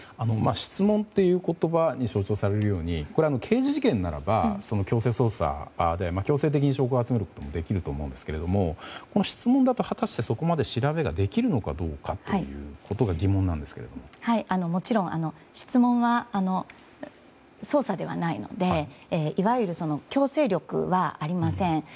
質問という言葉に象徴されるように刑事事件ならば強制捜査強制的に証拠を集めることもできると思うんですけれども質問だと、果たしてそこまで調べができるのかがもちろん質問は捜査ではないのでいわゆる強制力はありません。